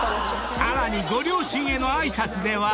［さらにご両親への挨拶では？］